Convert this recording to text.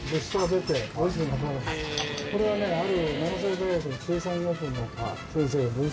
これはねある。